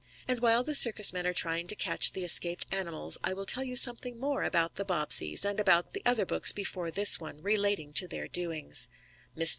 And while the circus men are trying to catch the escaped animals I will tell you something more about the Bobbseys, and about the other books, before this one, relating to their doings. Mr.